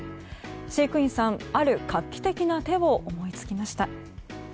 飼育員さん、ある画期的な手を思いつきました。